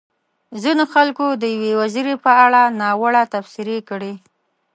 ځينو خلکو د يوې وزيرې په اړه ناوړه تبصرې کړې.